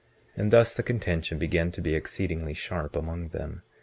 19:28 And thus the contention began to be exceedingly sharp among them.